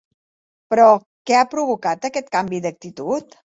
Però què ha provocat aquest canvi d'actitud?